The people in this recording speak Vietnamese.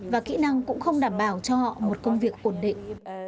và kỹ năng cũng không đảm bảo cho họ một công việc ổn định